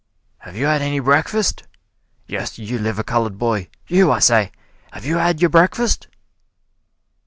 "Have you had any breakfast? Yes, you liver colored boy you, I say, have you had your breakfast?"